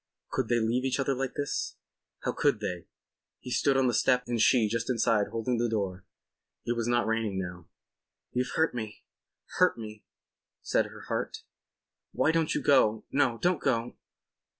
Could they leave each other like this? How could they? He stood on the step and she just inside holding the door. It was not raining now. "You've hurt me—hurt me," said her heart. "Why don't you go? No, don't go.